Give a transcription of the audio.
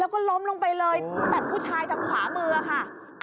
แล้วก็ล้มลงไปเลยแต่ผู้ชายทางขวามือค่ะ